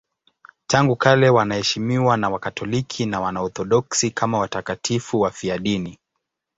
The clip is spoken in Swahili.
Tangu kale wanaheshimiwa na Wakatoliki na Waorthodoksi kama watakatifu wafiadini.